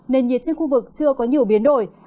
nền nhiệt trên khu vực chưa có nhiều biến đổi